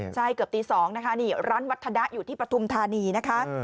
ใช่เกือบตี๒นะคะนี่ร้านวัฒนะอยู่ที่ปฐุมธานีนะคะ